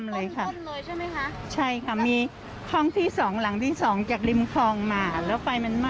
แล้วตอนที่ไฟมันไหม้ออกมาแล้วคือ